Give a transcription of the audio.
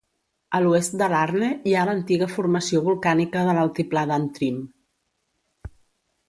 A l'oest de Larne hi ha l'antiga formació volcànica de l'altiplà d'Antrim.